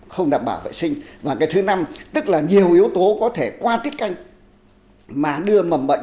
không đảm bảo vệ sinh và cái thứ năm tức là nhiều yếu tố có thể qua tiết canh mà đưa mầm bệnh